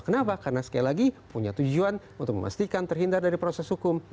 kenapa karena sekali lagi punya tujuan untuk memastikan terhindar dari proses hukum